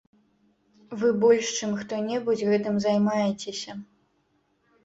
Вы больш, чым хто-небудзь, гэтым займаецеся.